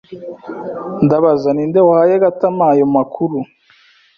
Ndabaza ninde wahaye Gatama ayo makuru.